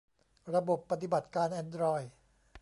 ระบบปฏิบัติการแอนดรอยด์